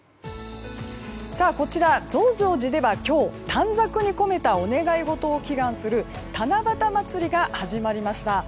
こちら、増上寺では今日、短冊に込めたお願い事を祈願する七夕まつりが始まりました。